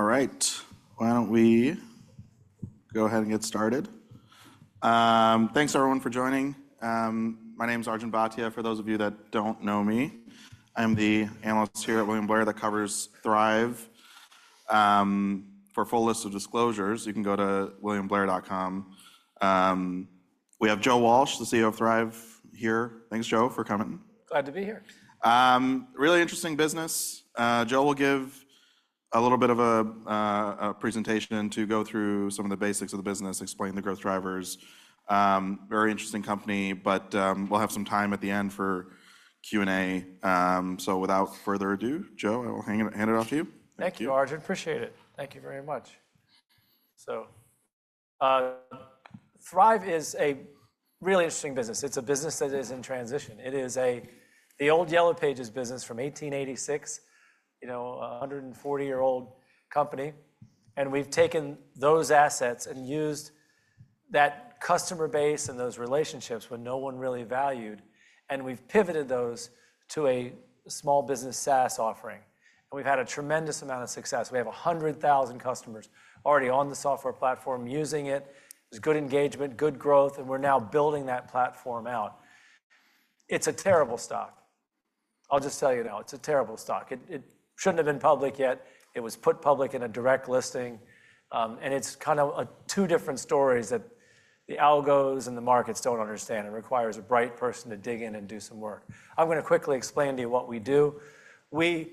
All right, why don't we go ahead and get started? Thanks, everyone, for joining. My name is Arjun Bhatia. For those of you that don't know me, I am the analyst here at William Blair that covers Thryv. For a full list of disclosures, you can go to williamblair.com. We have Joe Walsh, the CEO of Thryv, here. Thanks, Joe, for coming. Glad to be here. Really interesting business. Joe will give a little bit of a presentation to go through some of the basics of the business, explain the growth drivers. Very interesting company, but we'll have some time at the end for Q&A. Without further ado, Joe, I will hand it off to you. Thank you, Arjun. Appreciate it. Thank you very much. Thryv is a really interesting business. It is a business that is in transition. It is the old Yellow Pages business from 1886, you know, a 140-year-old company. We have taken those assets and used that customer base and those relationships when no one really valued. We have pivoted those to a small business SaaS offering. We have had a tremendous amount of success. We have 100,000 customers already on the software platform using it. There is good engagement, good growth, and we are now building that platform out. It is a terrible stock. I will just tell you now, it is a terrible stock. It should not have been public yet. It was put public in a direct listing. It is kind of two different stories that the algos and the markets do not understand. It requires a bright person to dig in and do some work. I'm going to quickly explain to you what we do. We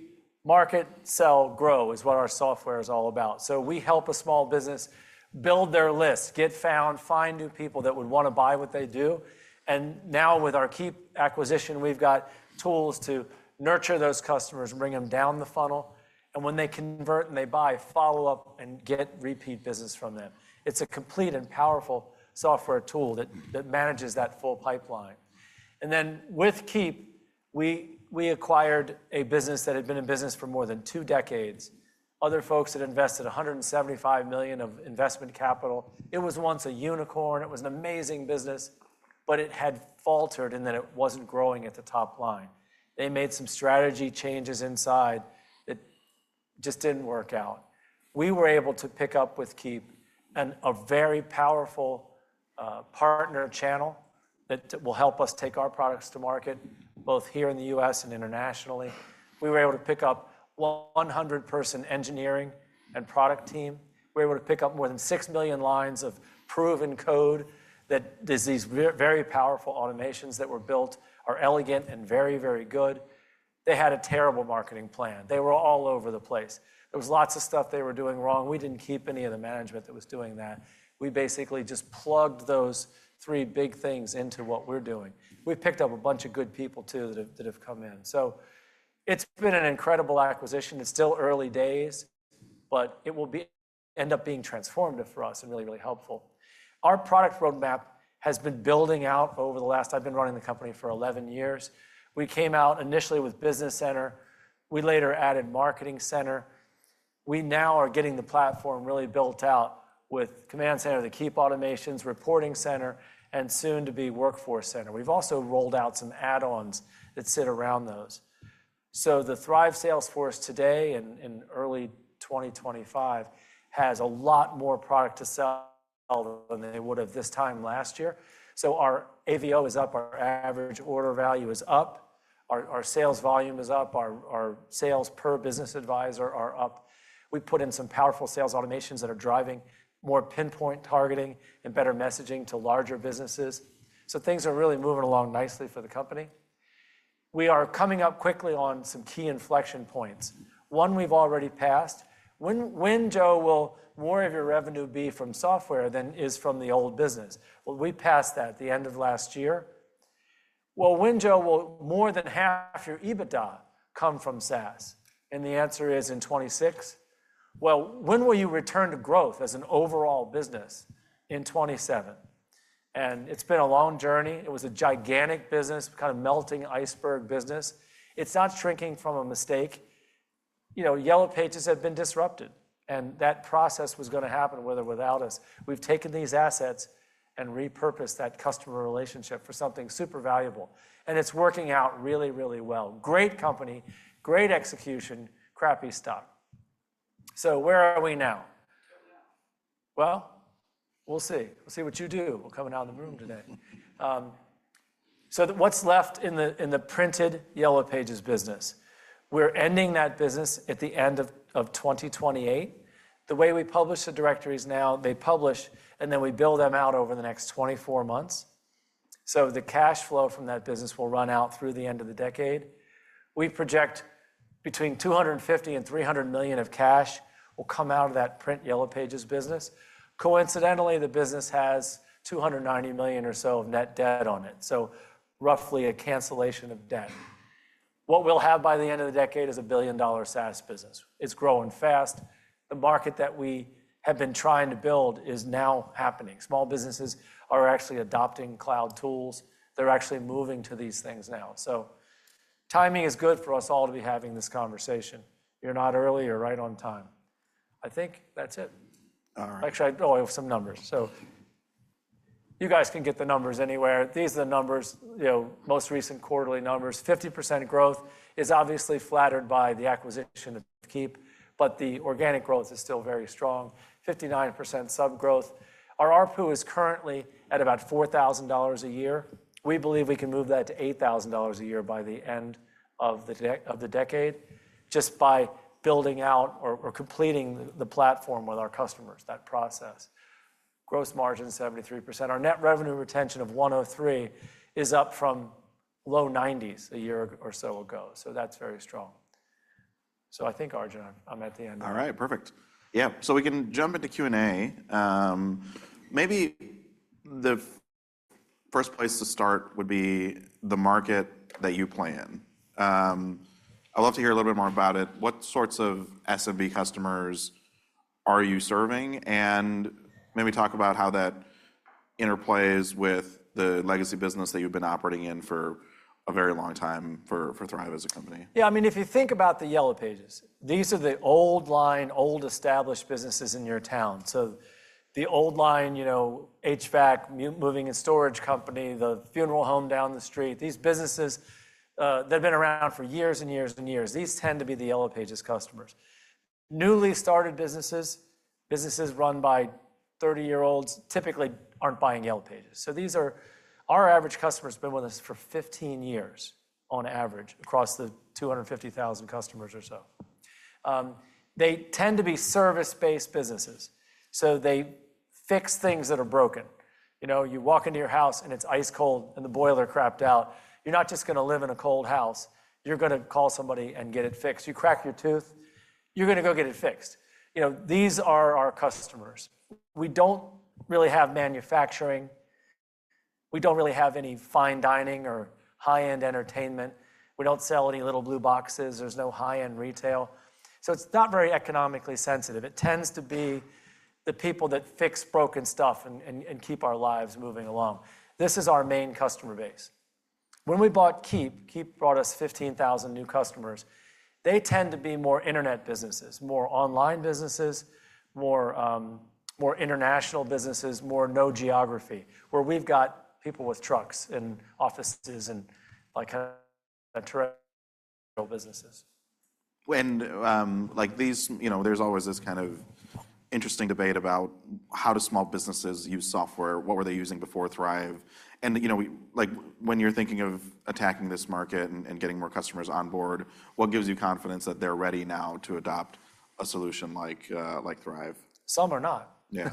market, sell, grow is what our software is all about. We help a small business build their list, get found, find new people that would want to buy what they do. Now with our Keap acquisition, we've got tools to nurture those customers, bring them down the funnel. When they convert and they buy, follow up and get repeat business from them. It's a complete and powerful software tool that manages that full pipeline. With Keap, we acquired a business that had been in business for more than two decades. Other folks had invested $175 million of investment capital. It was once a unicorn. It was an amazing business, but it had faltered and it wasn't growing at the top line. They made some strategy changes inside that just didn't work out. We were able to pick up with Keap and a very powerful partner channel that will help us take our products to market both here in the U.S. and internationally. We were able to pick up a 100-person engineering and product team. We were able to pick up more than 6 million lines of proven code that these very powerful automations that were built are elegant and very, very good. They had a terrible marketing plan. They were all over the place. There was lots of stuff they were doing wrong. We did not keep any of the management that was doing that. We basically just plugged those three big things into what we are doing. We have picked up a bunch of good people too that have come in. It has been an incredible acquisition. It is still early days, but it will end up being transformative for us and really, really helpful. Our product roadmap has been building out over the last, I've been running the company for 11 years. We came out initially with Business Center. We later added Marketing Center. We now are getting the platform really built out with Command Center, the Keap automations, Reporting Center, and soon to be Workforce Center. We've also rolled out some add-ons that sit around those. The Thryv Salesforce today in early 2025 has a lot more product to sell than they would have this time last year. Our AVO is up. Our average order value is up. Our sales volume is up. Our sales per business advisor are up. We put in some powerful sales automations that are driving more pinpoint targeting and better messaging to larger businesses. Things are really moving along nicely for the company. We are coming up quickly on some key inflection points. One we've already passed. When, Joe, will more of your revenue be from software than is from the old business? We passed that at the end of last year. When, Joe, will more than half your EBITDA come from SaaS? The answer is in 2026. When will you return to growth as an overall business? In 2027. It has been a long journey. It was a gigantic business, kind of melting iceberg business. It is not shrinking from a mistake. You know, Yellow Pages had been disrupted. That process was going to happen with or without us. We have taken these assets and repurposed that customer relationship for something super valuable. It is working out really, really well. Great company, great execution, crappy stock. Where are we now? We will see. We will see what you do. We are coming out of the room today. What's left in the printed Yellow Pages business? We're ending that business at the end of 2028. The way we publish the directories now, they publish and then we build them out over the next 24 months. The cash flow from that business will run out through the end of the decade. We project between $250 million and $300 million of cash will come out of that print Yellow Pages business. Coincidentally, the business has $290 million or so of net debt on it. So roughly a cancellation of debt. What we'll have by the end of the decade is a billion-dollar SaaS business. It's growing fast. The market that we have been trying to build is now happening. Small businesses are actually adopting cloud tools. They're actually moving to these things now. Timing is good for us all to be having this conversation. You're not early. You're right on time. I think that's it. All right. Actually, I owe some numbers. You guys can get the numbers anywhere. These are the numbers, you know, most recent quarterly numbers. 50% growth is obviously flattered by the acquisition of Keap, but the organic growth is still very strong. 59% subgrowth. Our ARPU is currently at about $4,000 a year. We believe we can move that to $8,000 a year by the end of the decade just by building out or completing the platform with our customers, that process. Gross margin 73%. Our net revenue retention of 103% is up from low 90s a year or so ago. That is very strong. I think, Arjun, I am at the end. All right, perfect. Yeah, so we can jump into Q&A. Maybe the first place to start would be the market that you play in. I'd love to hear a little bit more about it. What sorts of SMB customers are you serving? Maybe talk about how that interplays with the legacy business that you've been operating in for a very long time for Thryv as a company. Yeah, I mean, if you think about the Yellow Pages, these are the old-line, old-established businesses in your town. The old-line, you know, HVAC, moving and storage company, the funeral home down the street, these businesses that have been around for years and years and years, these tend to be the Yellow Pages customers. Newly started businesses, businesses run by 30-year-olds typically aren't buying Yellow Pages. These are our average customers, have been with us for 15 years on average across the 250,000 customers or so. They tend to be service-based businesses. They fix things that are broken. You know, you walk into your house and it's ice cold and the boiler crapped out. You're not just going to live in a cold house. You're going to call somebody and get it fixed. You crack your tooth, you're going to go get it fixed. You know, these are our customers. We do not really have manufacturing. We do not really have any fine dining or high-end entertainment. We do not sell any little blue boxes. There is no high-end retail. It is not very economically sensitive. It tends to be the people that fix broken stuff and keep our lives moving along. This is our main customer base. When we bought Keap, Keap brought us 15,000 new customers. They tend to be more internet businesses, more online businesses, more international businesses, more no geography, where we have got people with trucks and offices and like kind of traditional businesses. You know, there's always this kind of interesting debate about how do small businesses use software? What were they using before Thryv? You know, like when you're thinking of attacking this market and getting more customers on board, what gives you confidence that they're ready now to adopt a solution like Thryv? Some are not. Yeah.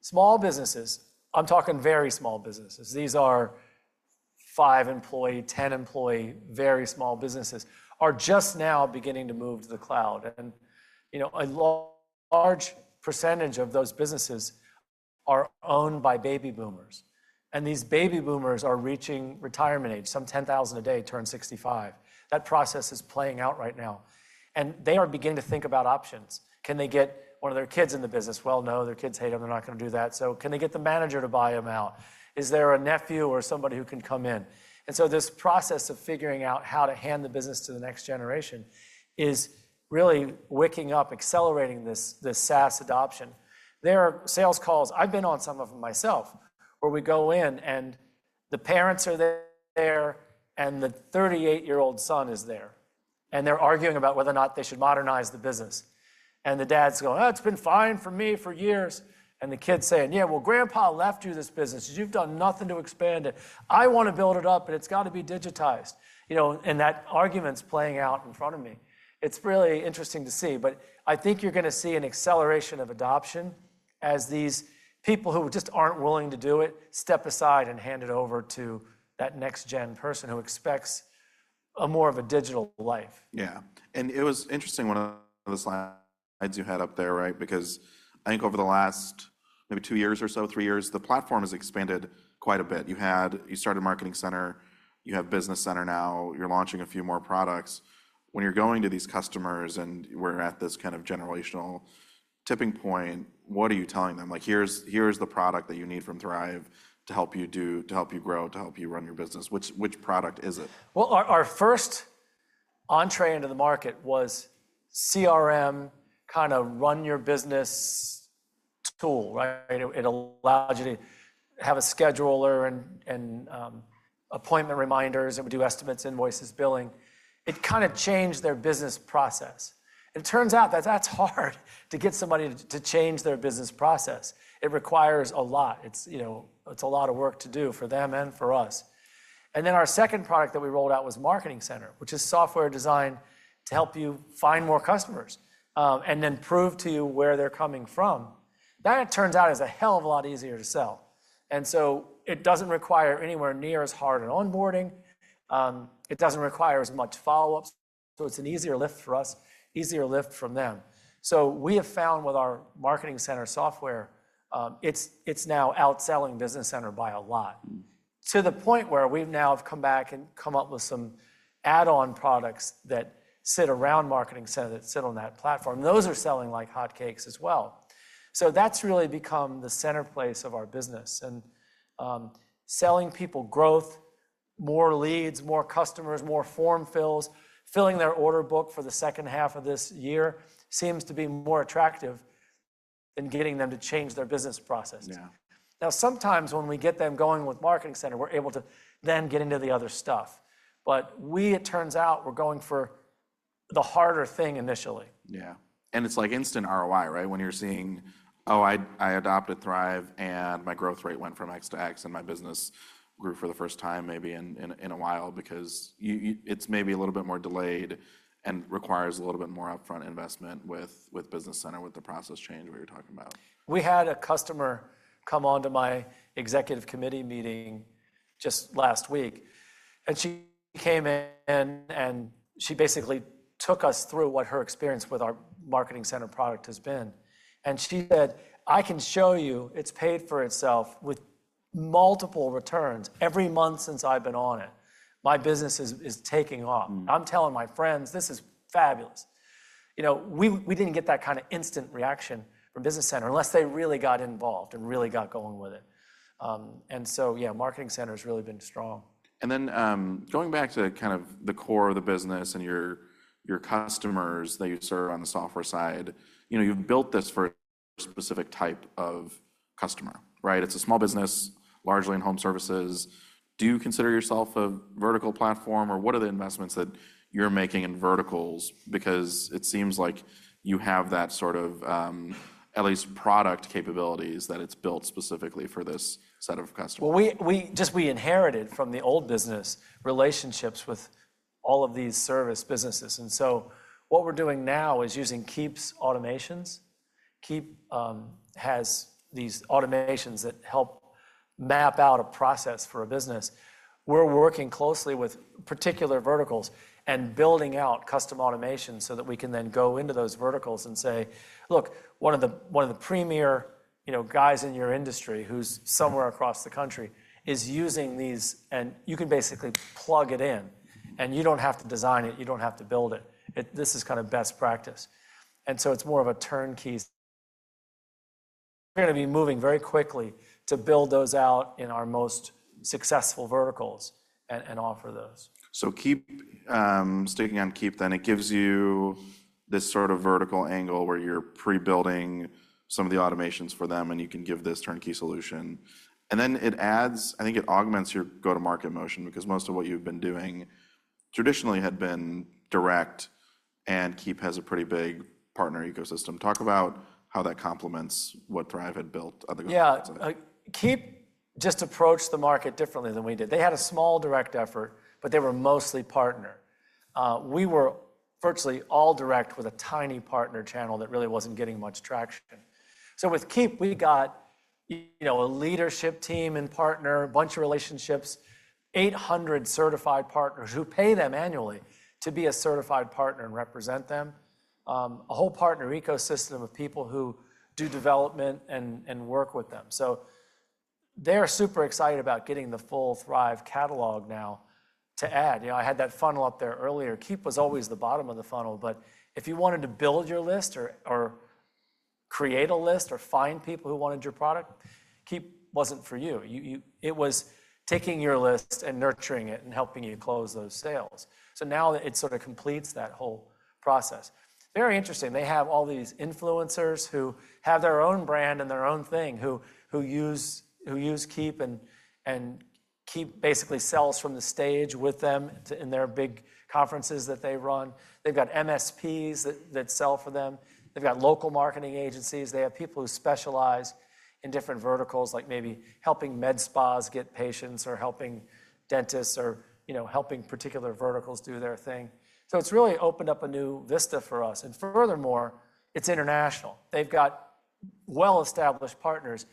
Small businesses, I'm talking very small businesses. These are five-employee, ten-employee, very small businesses are just now beginning to move to the cloud. You know, a large percentage of those businesses are owned by baby boomers. These baby boomers are reaching retirement age, some 10,000 a day turn 65. That process is playing out right now. They are beginning to think about options. Can they get one of their kids in the business? No, their kids hate them. They're not going to do that. Can they get the manager to buy them out? Is there a nephew or somebody who can come in? This process of figuring out how to hand the business to the next generation is really waking up, accelerating this SaaS adoption. There are sales calls, I've been on some of them myself, where we go in and the parents are there and the 38-year-old son is there. They're arguing about whether or not they should modernize the business. The dad's going, "Oh, it's been fine for me for years." The kid's saying, "Yeah, well, grandpa left you this business. You've done nothing to expand it. I want to build it up and it's got to be digitized." You know, that argument's playing out in front of me. It's really interesting to see, but I think you're going to see an acceleration of adoption as these people who just aren't willing to do it step aside and hand it over to that next-gen person who expects more of a digital life. Yeah. It was interesting, one of the slides you had up there, right? I think over the last maybe two years or so, three years, the platform has expanded quite a bit. You had, you started Marketing Center. You have Business Center now. You're launching a few more products. When you're going to these customers and we're at this kind of generational tipping point, what are you telling them? Like, here's the product that you need from Thryv to help you do, to help you grow, to help you run your business. Which product is it? Our first entree into the market was CRM kind of run your business tool, right? It allowed you to have a scheduler and appointment reminders and we do estimates, invoices, billing. It kind of changed their business process. It turns out that that's hard to get somebody to change their business process. It requires a lot. It's, you know, it's a lot of work to do for them and for us. Then our second product that we rolled out was Marketing Center, which is software designed to help you find more customers and then prove to you where they're coming from. That turns out is a hell of a lot easier to sell. It does not require anywhere near as hard an onboarding. It does not require as much follow-up. It is an easier lift for us, easier lift from them. We have found with our Marketing Center software, it's now outselling Business Center by a lot. To the point where we've now come back and come up with some add-on products that sit around Marketing Center that sit on that platform. Those are selling like hotcakes as well. That's really become the center place of our business and selling people growth, more leads, more customers, more form fills, filling their order book for the second half of this year seems to be more attractive than getting them to change their business process. Yeah. Now, sometimes when we get them going with Marketing Center, we're able to then get into the other stuff. We, it turns out, we're going for the harder thing initially. Yeah. And it's like instant ROI, right? When you're seeing, "Oh, I adopted Thryv and my growth rate went from X to X and my business grew for the first time maybe in a while because it's maybe a little bit more delayed and requires a little bit more upfront investment with Business Center with the process change we were talking about. We had a customer come on to my executive committee meeting just last week. And she came in and she basically took us through what her experience with our Marketing Center product has been. And she said, "I can show you it's paid for itself with multiple returns every month since I've been on it. My business is taking off. I'm telling my friends, this is fabulous." You know, we didn't get that kind of instant reaction from Business Center unless they really got involved and really got going with it. And so, yeah, Marketing Center has really been strong. Going back to kind of the core of the business and your customers that you serve on the software side, you know, you've built this for a specific type of customer, right? It's a small business, largely in home services. Do you consider yourself a vertical platform or what are the investments that you're making in verticals? Because it seems like you have that sort of at least product capabilities that it's built specifically for this set of customers. We just, we inherited from the old business relationships with all of these service businesses. What we are doing now is using Keap's automations. Keap has these automations that help map out a process for a business. We are working closely with particular verticals and building out custom automation so that we can then go into those verticals and say, "Look, one of the premier, you know, guys in your industry who's somewhere across the country is using these," and you can basically plug it in and you do not have to design it, you do not have to build it. This is kind of best practice. It is more of a turnkey. We are going to be moving very quickly to build those out in our most successful verticals and offer those. Keap, sticking on Keap then, it gives you this sort of vertical angle where you're pre-building some of the automations for them and you can give this turnkey solution. It adds, I think it augments your go-to-market motion because most of what you've been doing traditionally had been direct and Keap has a pretty big partner ecosystem. Talk about how that complements what Thryv had built other customers. Yeah. Keap just approached the market differently than we did. They had a small direct effort, but they were mostly partner. We were virtually all direct with a tiny partner channel that really wasn't getting much traction. So with Keap, we got, you know, a leadership team and partner, a bunch of relationships, 800 certified partners who pay them annually to be a certified partner and represent them, a whole partner ecosystem of people who do development and work with them. So they are super excited about getting the full Thryv catalog now to add. You know, I had that funnel up there earlier. Keap was always the bottom of the funnel, but if you wanted to build your list or create a list or find people who wanted your product, Keap wasn't for you. It was taking your list and nurturing it and helping you close those sales. Now it sort of completes that whole process. Very interesting. They have all these influencers who have their own brand and their own thing who use Keap, and Keap basically sells from the stage with them in their big conferences that they run. They've got MSPs that sell for them. They've got local marketing agencies. They have people who specialize in different verticals, like maybe helping med spas get patients or helping dentists or, you know, helping particular verticals do their thing. It has really opened up a new vista for us. Furthermore, it is international. They've got well-established partners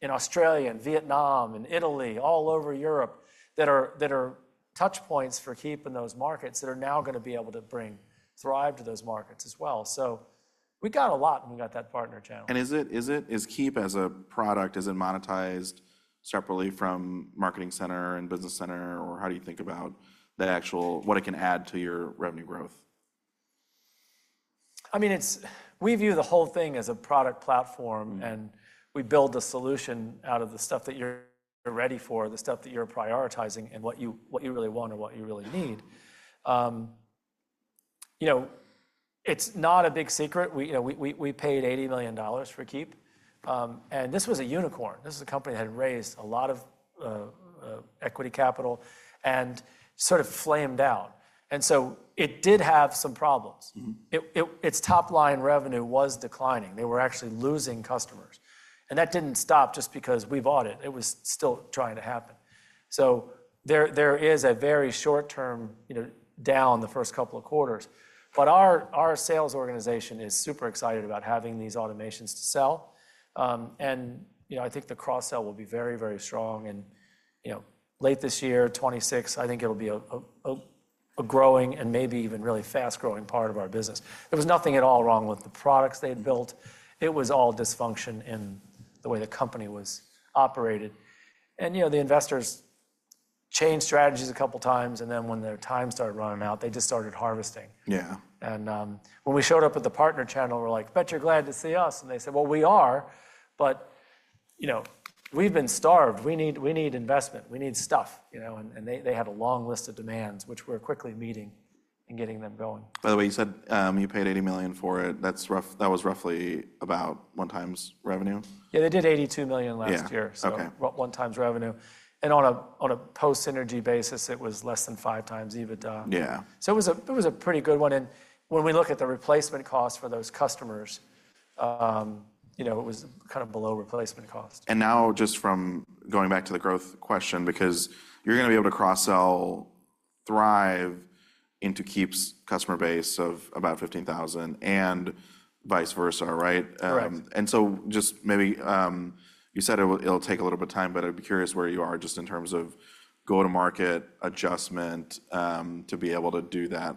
in Australia and Vietnam and Italy, all over Europe, that are touch points for Keap in those markets that are now going to be able to bring Thryv to those markets as well. We got a lot when we got that partner channel. Is Keap as a product, is it monetized separately from Marketing Center and Business Center, or how do you think about the actual, what it can add to your revenue growth? I mean, it's, we view the whole thing as a product platform and we build the solution out of the stuff that you're ready for, the stuff that you're prioritizing and what you really want or what you really need. You know, it's not a big secret. You know, we paid $80 million for Keap. And this was a unicorn. This is a company that had raised a lot of equity capital and sort of flamed out. And so it did have some problems. Its top line revenue was declining. They were actually losing customers. And that did not stop just because we bought it. It was still trying to happen. There is a very short-term, you know, down the first couple of quarters. Our sales organization is super excited about having these automations to sell. You know, I think the cross-sell will be very, very strong. You know, late this year, 2026, I think it'll be a growing and maybe even really fast-growing part of our business. There was nothing at all wrong with the products they had built. It was all dysfunction in the way the company was operated. You know, the investors changed strategies a couple of times and then when their time started running out, they just started harvesting. Yeah. When we showed up at the partner channel, we're like, "Bet you're glad to see us." They said, "We are, but you know, we've been starved. We need investment. We need stuff." You know, and they had a long list of demands, which we're quickly meeting and getting them going. By the way, you said you paid $80 million for it. That was roughly about one time's revenue? Yeah, they did $82 million last year. Yeah. Okay. One time's revenue. And on a post-synergy basis, it was less than five times EBITDA. Yeah. It was a pretty good one. And when we look at the replacement cost for those customers, you know, it was kind of below replacement cost. Just from going back to the growth question, because you're going to be able to cross-sell Thryv into Keap's customer base of about 15,000 and vice versa, right? Correct. Just maybe you said it'll take a little bit of time, but I'd be curious where you are just in terms of go-to-market adjustment to be able to do that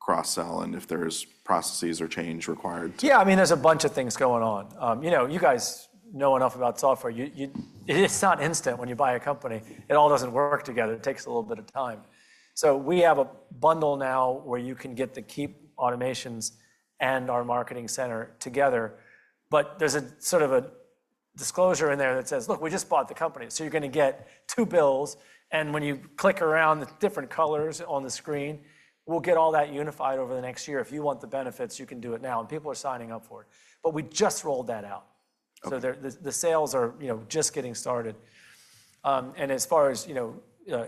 cross-sell and if there's processes or change required. Yeah, I mean, there's a bunch of things going on. You know, you guys know enough about software. It's not instant when you buy a company. It all doesn't work together. It takes a little bit of time. We have a bundle now where you can get the Keap automations and our Marketing Center together. There's a sort of a disclosure in there that says, "Look, we just bought the company." You're going to get two bills. When you click around the different colors on the screen, we'll get all that unified over the next year. If you want the benefits, you can do it now. People are signing up for it. We just rolled that out. The sales are, you know, just getting started. As far as, you know,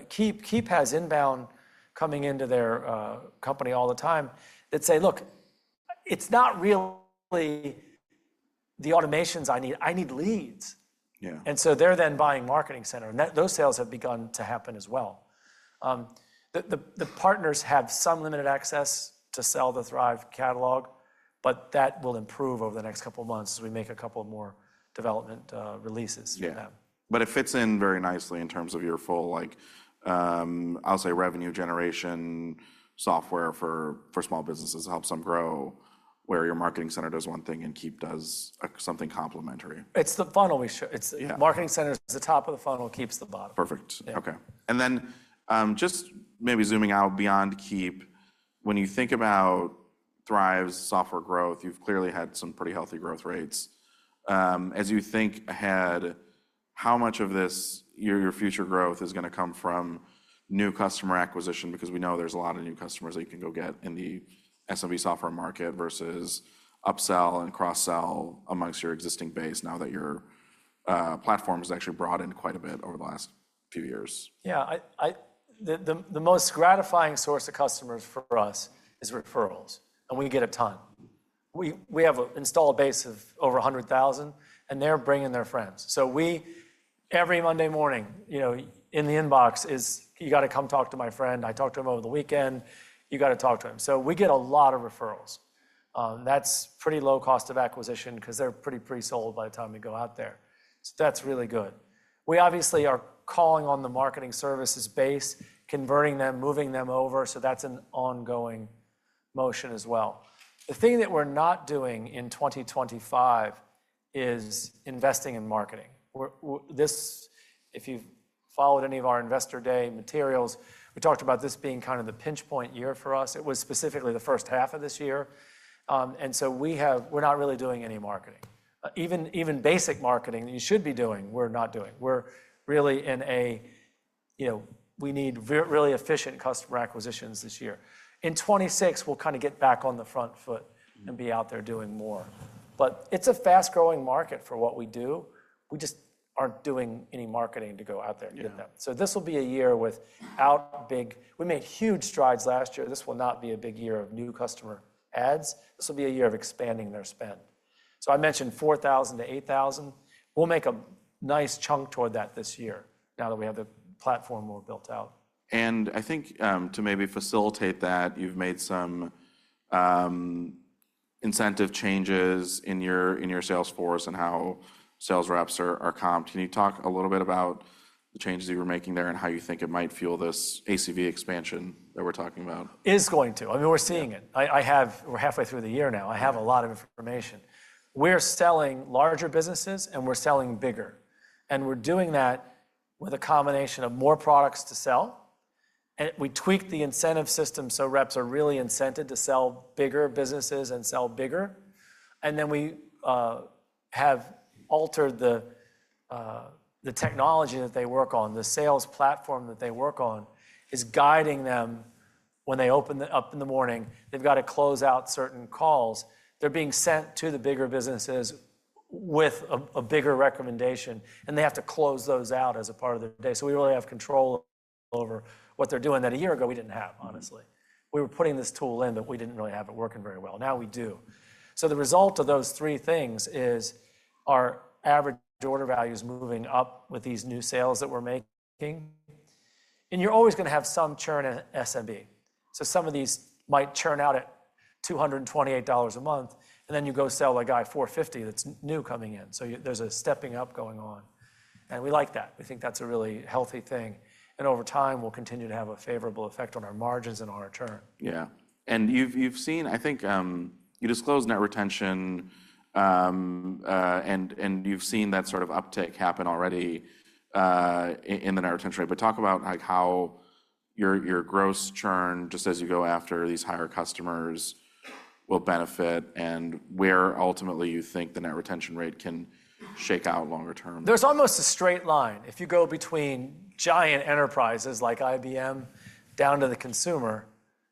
Keap has inbound coming into their company all the time that say, "Look, it's not really the automations I need. I need leads. Yeah. They are then buying Marketing Center. Those sales have begun to happen as well. The partners have some limited access to sell the Thryv catalog, but that will improve over the next couple of months as we make a couple more development releases for them. Yeah. But it fits in very nicely in terms of your full, like, I'll say revenue generation software for small businesses to help some grow where your Marketing Center does one thing and Keap does something complementary. It's the funnel we show. It's Marketing Center is the top of the funnel, Keap's the bottom. Perfect. Okay. Just maybe zooming out beyond Keap, when you think about Thryv's software growth, you've clearly had some pretty healthy growth rates. As you think ahead, how much of this, your future growth is going to come from new customer acquisition? Because we know there's a lot of new customers that you can go get in the SMB software market versus upsell and cross-sell amongst your existing base now that your platform has actually broadened quite a bit over the last few years. Yeah. The most gratifying source of customers for us is referrals. And we get a ton. We have installed a base of over 100,000, and they're bringing their friends. So we, every Monday morning, you know, in the inbox is, "You got to come talk to my friend. I talked to him over the weekend. You got to talk to him." So we get a lot of referrals. That's pretty low cost of acquisition because they're pretty pre-sold by the time we go out there. That's really good. We obviously are calling on the Marketing Services base, converting them, moving them over. That's an ongoing motion as well. The thing that we're not doing in 2025 is investing in marketing. This, if you've followed any of our investor day materials, we talked about this being kind of the pinch point year for us. It was specifically the first half of this year. We have, we're not really doing any marketing. Even basic marketing that you should be doing, we're not doing. We're really in a, you know, we need really efficient customer acquisitions this year. In 2026, we'll kind of get back on the front foot and be out there doing more. It is a fast-growing market for what we do. We just aren't doing any marketing to go out there and get them. This will be a year without big, we made huge strides last year. This will not be a big year of new customer ads. This will be a year of expanding their spend. I mentioned $4,000-$8,000. We'll make a nice chunk toward that this year now that we have the platform we've built out. I think to maybe facilitate that, you've made some incentive changes in your Salesforce and how sales reps are comped. Can you talk a little bit about the changes you were making there and how you think it might fuel this ACV expansion that we're talking about? It is going to. I mean, we're seeing it. I have, we're halfway through the year now. I have a lot of information. We're selling larger businesses and we're selling bigger. We're doing that with a combination of more products to sell. We tweaked the incentive system so reps are really incented to sell bigger businesses and sell bigger. We have altered the technology that they work on. The sales platform that they work on is guiding them when they open up in the morning. They've got to close out certain calls. They're being sent to the bigger businesses with a bigger recommendation, and they have to close those out as a part of their day. We really have control over what they're doing that a year ago we didn't have, honestly. We were putting this tool in, but we did not really have it working very well. Now we do. The result of those three things is our average order value is moving up with these new sales that we are making. You are always going to have some churn in SMB. Some of these might churn out at $228 a month, and then you go sell a guy $450 that is new coming in. There is a stepping up going on. We like that. We think that is a really healthy thing. Over time, we will continue to have a favorable effect on our margins and on our churn. Yeah. You have seen, I think you disclosed net retention, and you have seen that sort of uptick happen already in the net retention rate. Talk about like how your gross churn just as you go after these higher customers will benefit and where ultimately you think the net retention rate can shake out longer term. There's almost a straight line. If you go between giant enterprises like IBM down to the consumer,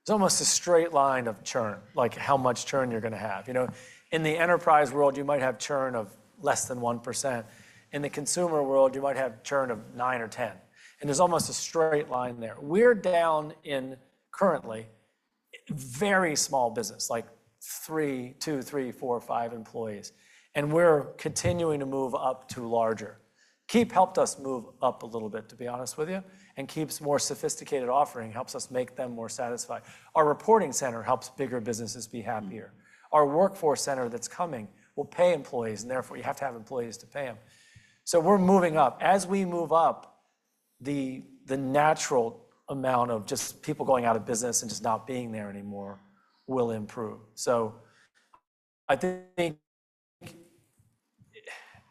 there's almost a straight line of churn, like how much churn you're going to have. You know, in the enterprise world, you might have churn of less than 1%. In the consumer world, you might have churn of 9 or 10%. And there's almost a straight line there. We're down in currently very small business, like three, two, three, four, five employees. And we're continuing to move up to larger. Keap helped us move up a little bit, to be honest with you. And Keap's more sophisticated offering helps us make them more satisfied. Our Reporting Center helps bigger businesses be happier. Our Workforce Center that's coming will pay employees, and therefore you have to have employees to pay them. So we're moving up. As we move up, the natural amount of just people going out of business and just not being there anymore will improve. I think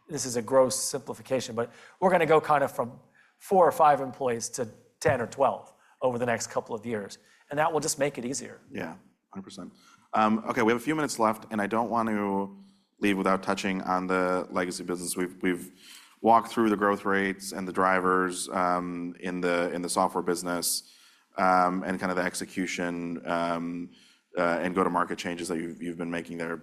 this is a gross simplification, but we're going to go kind of from four or five employees to 10 or 12 over the next couple of years. That will just make it easier. Yeah, 100%. Okay, we have a few minutes left, and I don't want to leave without touching on the legacy business. We've walked through the growth rates and the drivers in the software business and kind of the execution and go-to-market changes that you've been making there.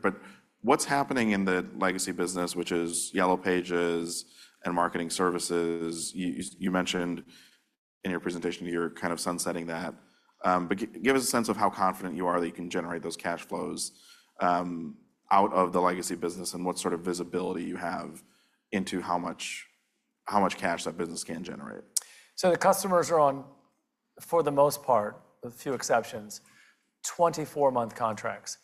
What's happening in the legacy business, which is Yellow Pages and Marketing Services, you mentioned in your presentation you're kind of sunsetting that. Give us a sense of how confident you are that you can generate those cash flows out of the legacy business and what sort of visibility you have into how much cash that business can generate. The customers are on, for the most part, with a few exceptions, 24-month contracts.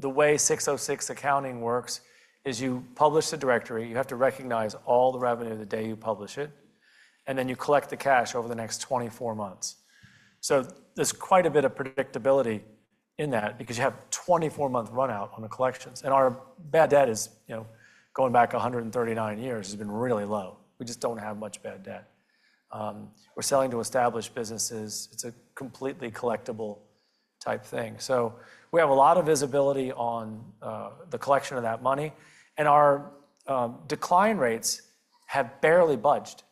The way 606 accounting works is you publish the directory, you have to recognize all the revenue the day you publish it, and then you collect the cash over the next 24 months. There is quite a bit of predictability in that because you have 24-month runout on the collections. Our bad debt is, you know, going back 139 years, has been really low. We just do not have much bad debt. We are selling to established businesses. It is a completely collectible type thing. We have a lot of visibility on the collection of that money. Our decline rates have barely budged.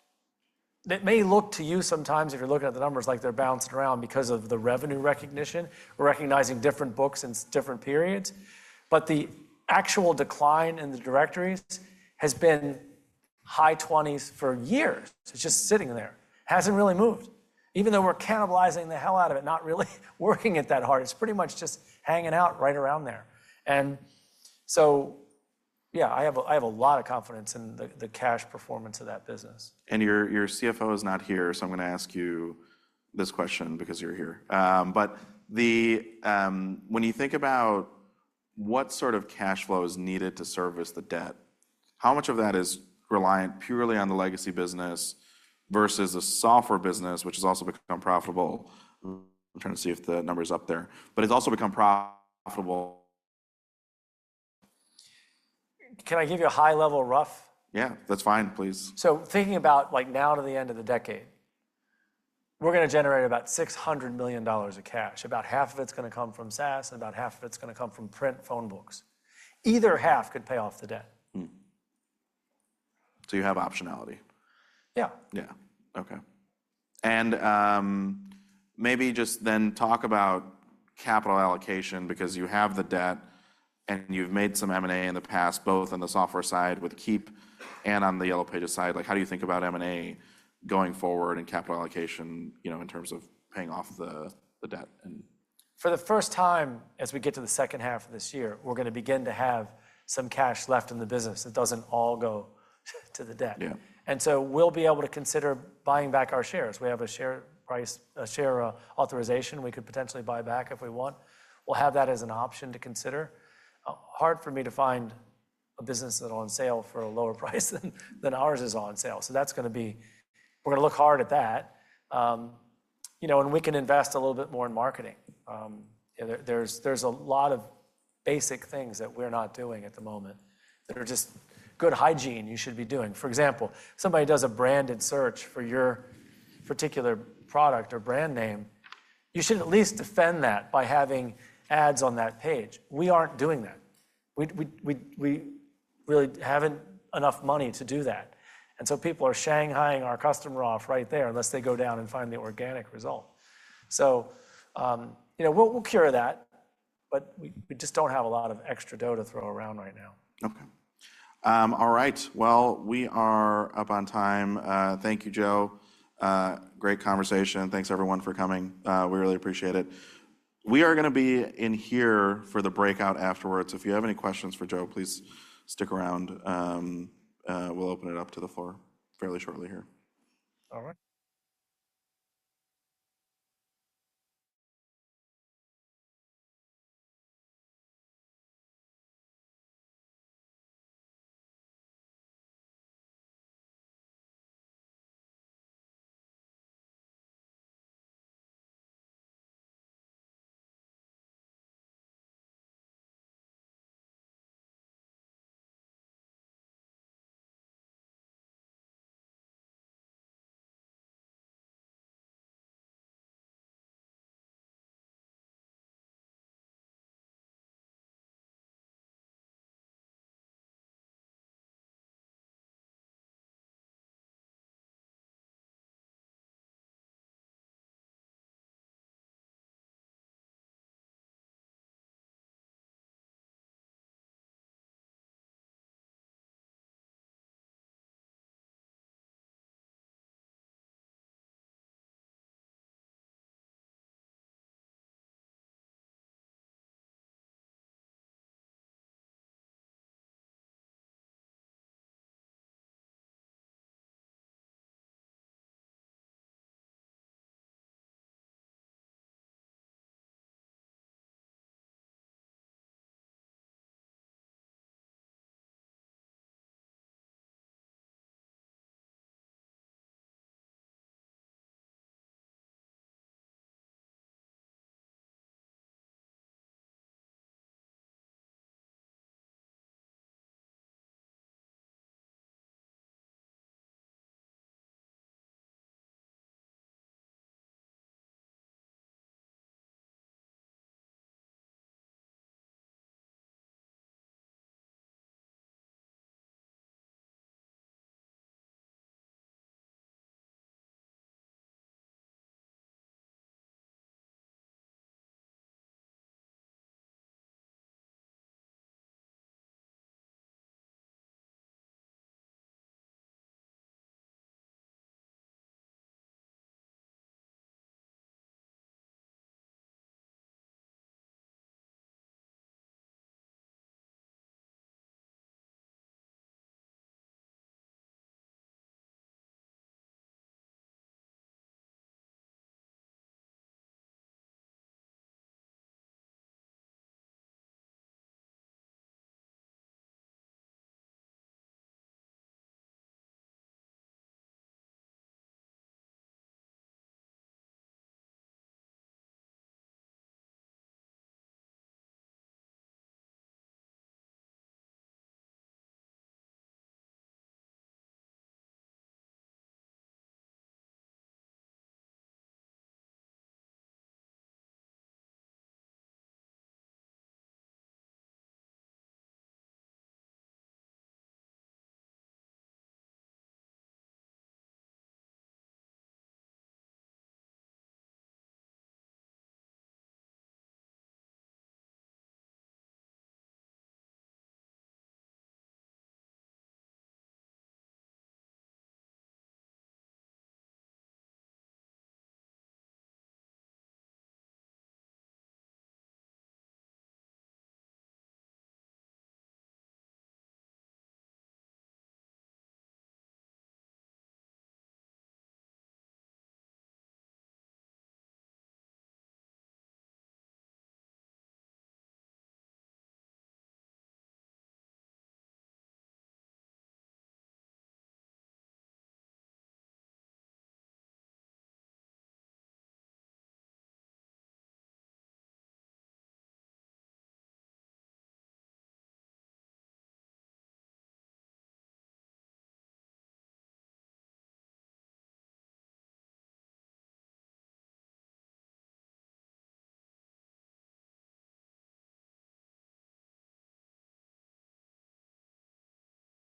It may look to you sometimes if you are looking at the numbers like they are bouncing around because of the revenue recognition. We are recognizing different books in different periods. The actual decline in the directories has been high 20s for years. It's just sitting there. Hasn't really moved. Even though we're cannibalizing the hell out of it, not really working it that hard, it's pretty much just hanging out right around there. Yeah, I have a lot of confidence in the cash performance of that business. Your CFO is not here, so I'm going to ask you this question because you're here. When you think about what sort of cash flow is needed to service the debt, how much of that is reliant purely on the legacy business versus a software business, which has also become profitable? I'm trying to see if the number is up there. It's also become profitable. Can I give you a high-level rough? Yeah, that's fine, please. Thinking about like now to the end of the decade, we're going to generate about $600 million of cash. About half of it's going to come from SaaS and about half of it's going to come from print phone books. Either half could pay off the debt. You have optionality? Yeah. Yeah. Okay. Maybe just then talk about capital allocation because you have the debt and you've made some M&A in the past, both on the software side with Keap and on the Yellow Pages side. Like how do you think about M&A going forward and capital allocation, you know, in terms of paying off the debt? For the first time, as we get to the second half of this year, we're going to begin to have some cash left in the business that doesn't all go to the debt. Yeah. We will be able to consider buying back our shares. We have a share price, a share authorization we could potentially buy back if we want. We will have that as an option to consider. Hard for me to find a business that is on sale for a lower price than ours is on sale. That is going to be, we are going to look hard at that. You know, and we can invest a little bit more in marketing. There are a lot of basic things that we are not doing at the moment that are just good hygiene you should be doing. For example, somebody does a branded search for your particular product or brand name, you should at least defend that by having ads on that page. We are not doing that. We really have not enough money to do that. People are shanghaiing our customer off right there unless they go down and find the organic result. You know, we'll cure that, but we just do not have a lot of extra dough to throw around right now. Okay. All right. We are up on time. Thank you, Joe. Great conversation. Thanks, everyone, for coming. We really appreciate it. We are going to be in here for the breakout afterwards. If you have any questions for Joe, please stick around. We'll open it up to the floor fairly shortly here. All right.